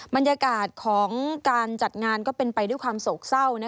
บรรยากาศของการจัดงานก็เป็นไปด้วยความโศกเศร้า